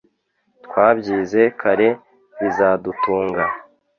twabyize kare bizadutunga!"